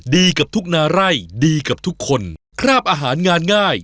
ดีกับทุกนาไร่ดีกับทุกคนคราบอาหารงานง่าย